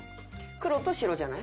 黒と白じゃない？